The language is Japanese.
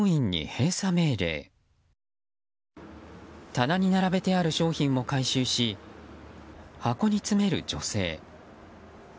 棚に並べてある商品を回収し箱に詰める女性。